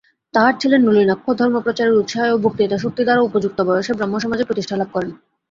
তাঁহার ছেলে নলিনাক্ষ ধর্মপ্রচারের উৎসাহে ও বক্তৃতাশক্তিদ্বারা উপযুক্ত বয়সে ব্রাহ্মসমাজে প্রতিষ্ঠালাভ করেন।